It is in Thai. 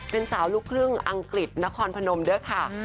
เป็นสาวลูกครึ่งอังกฤษนครพนมด้วยค่ะ